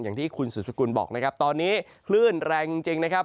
อย่างที่คุณสุดสกุลบอกนะครับตอนนี้คลื่นแรงจริงนะครับ